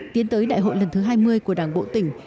tiến tới đại hội lần thứ hai mươi của đảng bộ tỉnh